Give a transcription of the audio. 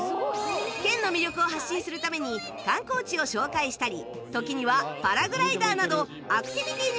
県の魅力を発信するために観光地を紹介したり時にはパラグライダーなどアクティビティーにも挑戦